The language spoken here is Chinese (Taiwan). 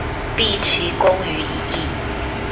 畢其功於一役